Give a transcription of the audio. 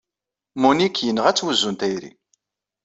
Monique yenɣa-tt wuzzu n tayri.